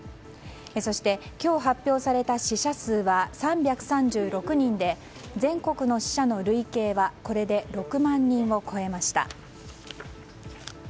そして今日発表された死者数は３３６人で全国の死者の累計はこれで６万人を超えました。